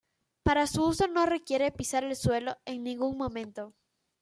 Para su uso no requiere pisar el suelo en ningún momento.